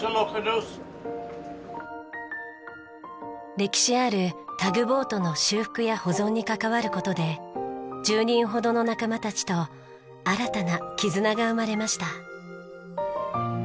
歴史あるタグボートの修復や保存に関わる事で１０人ほどの仲間たちと新たな絆が生まれました。